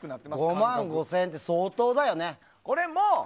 ５万５０００円って相当だよね。